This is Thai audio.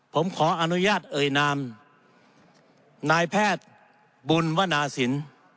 ผมขออนุญาตเอ่ยนามนายแพทย์บุญวนาศิลป์